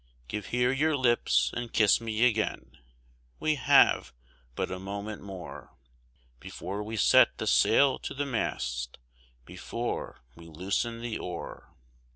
Give here your lips and kiss me again, we have but a moment more, Before we set the sail to the mast, before we loosen the oar.